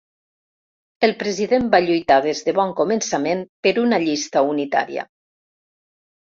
El president va lluitar des de bon començament per una llista unitària.